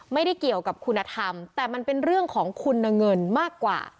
ไม่ได้เกี่ยวกับคุณธรรมแต่มันเป็นเรื่องของคุณเงินมากกว่า